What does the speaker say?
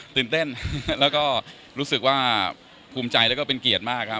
ตื่นเต้นแล้วก็รู้สึกว่าภูมิใจแล้วก็เป็นเกียรติมากครับ